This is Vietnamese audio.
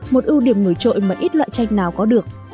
một ưu điểm ngửi trội mà ít loại chanh nào có được